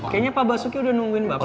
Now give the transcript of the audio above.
kayaknya pak basuki udah nungguin bapak